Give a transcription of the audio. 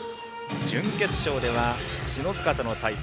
準決勝では篠塚との対戦。